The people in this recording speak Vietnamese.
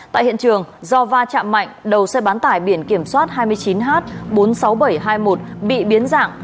tại hiện trường do va chạm mạnh đầu xe bán tải biển kiểm soát hai mươi chín h bốn mươi sáu nghìn bảy trăm hai mươi một bị biến dạng